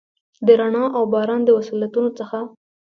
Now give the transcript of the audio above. د رڼا اوباران، د وصلتونو څخه،